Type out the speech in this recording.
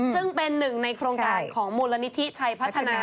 ซึ่งเป็นหนึ่งในโครงการของมูลนิธิชัยพัฒนา